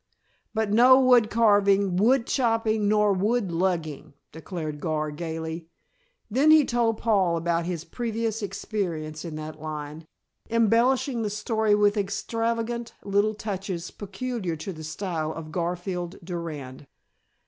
"But no wood carving, wood chopping, nor wood lugging," declared Gar, gayly. Then he told Paul about his previous experience in that line, embellishing the story with extravagant little touches peculiar to the style of Garfield Durand.